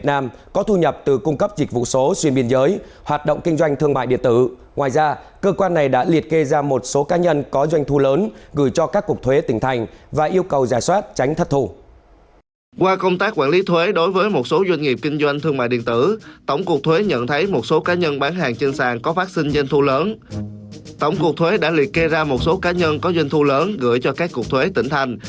tổng cuộc thuế đã liệt kê ra một số cá nhân có doanh thu lớn gửi cho các cuộc thuế tỉnh thành